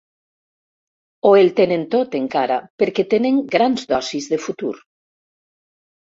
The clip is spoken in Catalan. O el tenen tot, encara, perquè tenen grans dosis de futur.